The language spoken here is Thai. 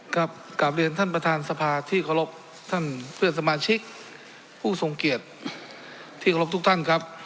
กลับเรียนท่านประธานสภาที่เคารพท่านเพื่อนสมาชิกผู้ทรงเกียรติที่เคารพทุกท่านครับ